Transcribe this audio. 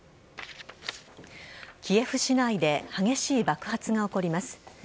キエフ市内で激しい爆発が起こります。